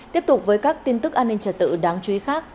tiếp tục với các tin tức an ninh trật tự đáng chú ý khác